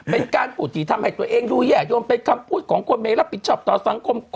เป็นการพูดที่ทำให้ตัวเองดูแย่โยมเป็นคำพูดของคนไม่รับผิดชอบต่อสังคม